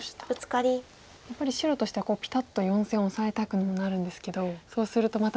やっぱり白としてはピタッと４線オサえたくもなるんですけどそうするとまた。